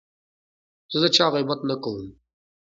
زه د چا غیبت نه کوم.